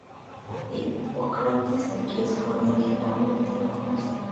Hipócrates de Quíos fue originariamente un comerciante.